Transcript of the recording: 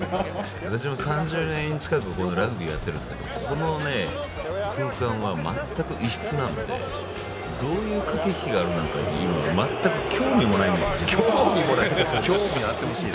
私も３０年近くラグビーをやってるんですがこの空間は全く異質なのでどういう駆け引きがあるのか全く興味もないんです、実は。